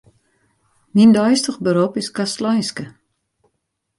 Myn deistich berop is kastleinske.